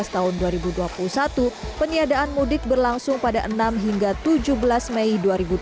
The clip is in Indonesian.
tahun dua ribu dua puluh satu peniadaan mudik berlangsung pada enam hingga tujuh belas mei dua ribu dua puluh